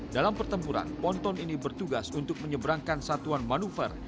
dalam pertempuran ponton ini bertugas untuk menyeberangkan satuan manuver